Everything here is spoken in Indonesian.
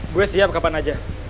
gue siap kapan aja